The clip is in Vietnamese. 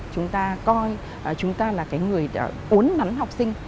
chúng ta coi chúng ta là cái người uốn nắn học sinh